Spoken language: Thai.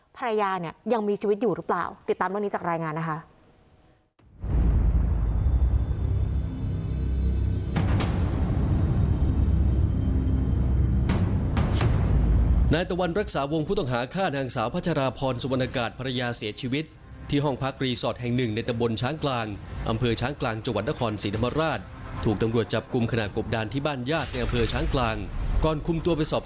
ภรรยาเนี่ยยังมีชีวิตอยู่หรือเปล่าติดตามเรื่องนี้จากรายงานนะคะ